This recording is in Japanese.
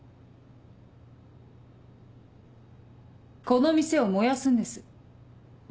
この店を燃やすんです。